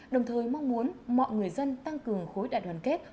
đồng thời mong muốn mọi người dân tăng cường khối đại đoàn kết